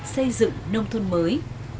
xây dựng nông thôn mới